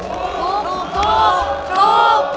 ถูกถูกถูก